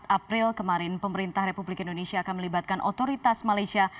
empat april kemarin pemerintah republik indonesia akan melibatkan otoritas malaysia